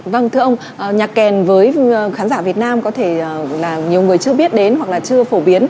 vâng thưa ông nhạc kèn với khán giả việt nam có thể là nhiều người chưa biết đến hoặc là chưa phổ biến